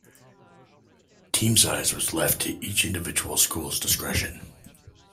Team size was left to each individual school's discretion.